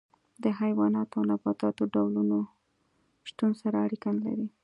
د حیواناتو او نباتاتو ډولونو شتون سره اړیکه نه لري.